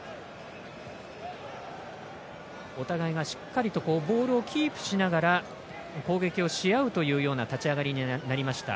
お互いがしっかりとボールをキープしながら攻撃をしあうというような立ち上がりになりました。